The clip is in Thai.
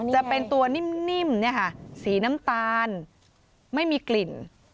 จะเป็นตัวนิ่มสีน้ำตาลไม่มีกลิ่น